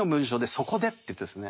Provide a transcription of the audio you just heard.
「そこで」って言ってるんですね。